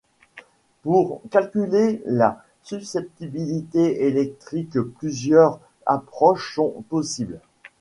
Pour calculer la susceptibilité électrique, plusieurs approches sont possibles.